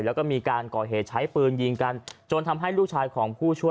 แล้วก็มีการก่อเหตุใช้ปืนยิงกัน